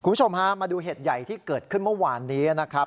คุณผู้ชมฮะมาดูเหตุใหญ่ที่เกิดขึ้นเมื่อวานนี้นะครับ